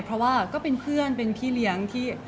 เพราะว่าก็เป็นเพื่อนเป็นพี่เลี้ยงที่